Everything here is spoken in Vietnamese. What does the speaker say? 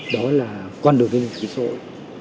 đó là con đường liên minh chủ nghĩa xã hội